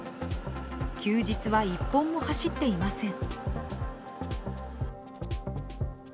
休日は１本も走っていません。